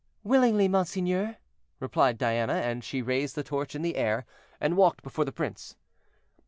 "Willingly, monseigneur," replied Diana, and she raised the torch in the air, and walked before the prince.